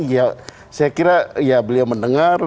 ya saya kira ya beliau mendengar